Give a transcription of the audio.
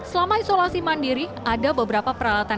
selama isolasi mandiri ada beberapa peralatan